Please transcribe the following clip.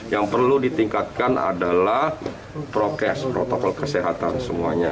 yang perlu ditingkatkan adalah prokes protokol kesehatan semuanya